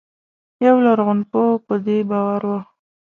یو لرغونپوه په دې باور و.